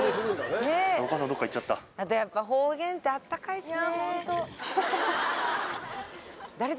あとやっぱ方言って温かいっすね。